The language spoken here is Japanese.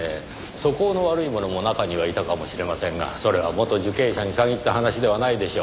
素行の悪い者も中にはいたかもしれませんがそれは元受刑者に限った話ではないでしょう。